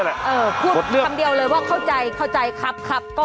เออพูดคำเดียวเลยว่าเข้าใจเข้าใจครับก็ถูกจบ